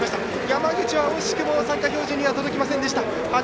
山口は惜しくも参加標準には届きませんでした。